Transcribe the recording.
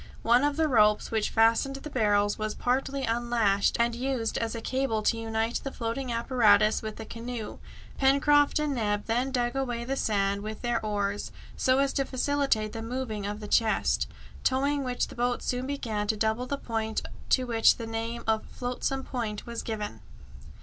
One of the ropes which fastened the barrels was partly unlashed and used as a cable to unite the floating apparatus with the canoe. Pencroft and Neb then dug away the sand with their oars, so as to facilitate the moving of the chest, towing which the boat soon began to double the point to which the name of Flotsam Point was given.